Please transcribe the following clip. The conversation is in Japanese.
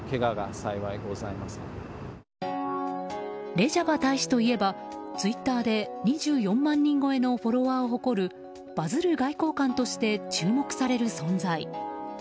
レジャバ大使といえばツイッターで２４万人超えのフォロワーを誇るバズる外交官として注目される存在。